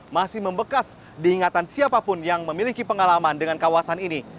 masih membekas diingatan siapapun yang memiliki pengalaman dengan kawasan ini